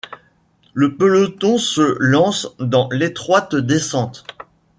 Le peloton se lance dans l'étroite descente.